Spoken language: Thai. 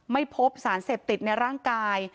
ไม่พบสารเสพติดในร่างกาย